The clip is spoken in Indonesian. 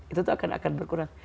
itu tuh akan berkurang